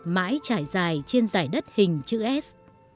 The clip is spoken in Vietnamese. mãi trải dài trên dải đất hình chữ s